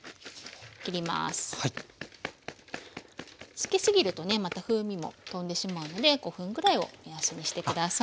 つけすぎるとねまた風味も飛んでしまうので５分ぐらいを目安にして下さい。